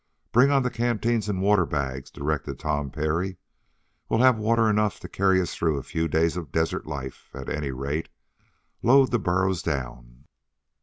"Bring on the canteens and water bags," directed Tom Parry. "We'll have water enough to carry us through a few days of desert life, at any rate. Load the burros down."